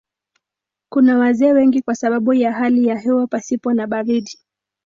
Kuna wazee wengi kwa sababu ya hali ya hewa pasipo na baridi.